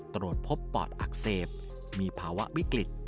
ตรวจพบปอดอักเสบมีภาวะวิกฤต